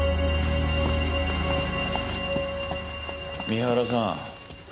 三原さん。